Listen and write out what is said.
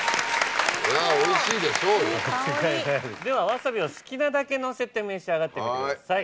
ではワサビを好きなだけのせて召し上がってみてください。